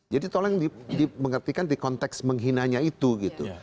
jadi tolong di mengertikan di konteks menghinanya itu gitu